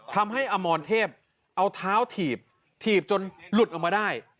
ทำให้อมรเทพเอาเท้าถีบถีบจนหลุดออกมาได้